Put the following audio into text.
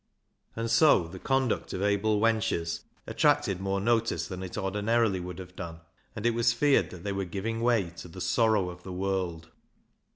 And so the conduct of " Abil wenches " attracted more notice than it ordinarily would have done, and it was feared that they were giving way to the " sorrow of the world."